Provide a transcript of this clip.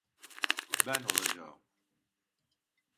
Ben olacağım.